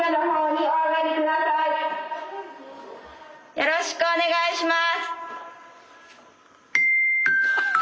よろしくお願いします。